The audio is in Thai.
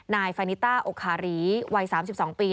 ฟานิต้าโอคารีวัย๓๒ปี